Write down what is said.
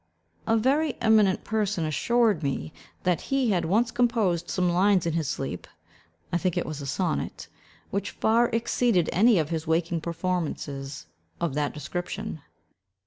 A very eminent person assured me that he had once composed some lines in his sleep (I think it was a sonnet) which far exceeded any of his waking performances of that description.